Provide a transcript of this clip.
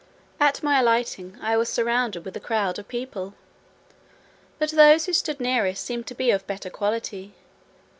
At my alighting, I was surrounded with a crowd of people, but those who stood nearest seemed to be of better quality.